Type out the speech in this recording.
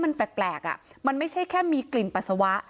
มันแปลกมันไม่ใช่แค่มีกลิ่นปัสสาวะ